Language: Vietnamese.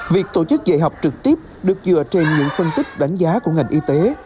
việc tổ chức dạy học trực tiếp được dựa trên những phân tích đánh giá của ngành y tế